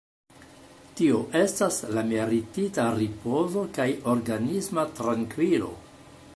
Tio estas la meritita ripozo kaj organisma trankvilo.